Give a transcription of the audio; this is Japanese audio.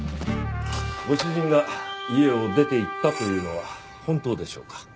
ご主人が家を出ていったというのは本当でしょうか？